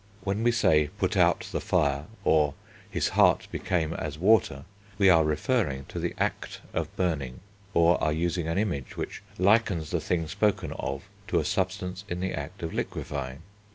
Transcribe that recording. When we say "put out the fire," or "his heart became as water," we are referring to the act of burning, or are using an image which likens the thing spoken of to a substance in the act of liquefying.